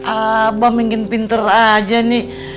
abah ingin pinter aja nih